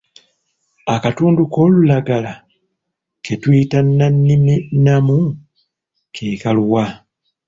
Akatundu k'olulagala ke tuyita nnanniminnamu ke kaluwa?